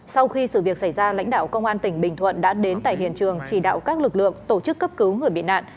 sau khi sự việc xảy ra lãnh đạo công an tỉnh bình thuận đã đến tại hiện trường chỉ đạo các lực lượng tổ chức cấp cứu người bị nạn